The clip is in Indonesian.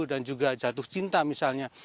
dan juga jatuh cinta misalnya